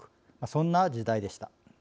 そんな時代でした。